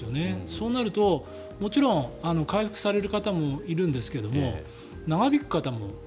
そうなると、もちろん回復される方もいるんですが長引く方も。